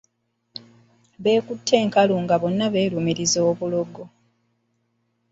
Beekutte enkalu nga bonna beerumiriza obulogo.